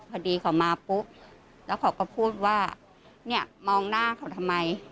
พอดีเขามาปุ๊บแล้วเขาก็พูดว่าเนี่ยมองหน้าเขาทำไม